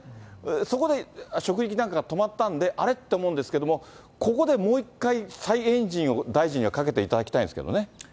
そこで職域なんかが止まったんで、あれ？と思うんですけれども、ここでもう一回、再エンジンを大臣がかけていただきたいんですけどね。